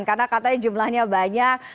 karena katanya jumlahnya banyak